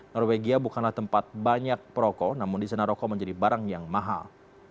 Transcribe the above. norwegia bukanlah tempat banyak perokok namun di sana rokok menjadi barang yang mahal